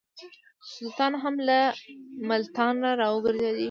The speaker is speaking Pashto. سلطان هم له ملتانه را وګرځېدی.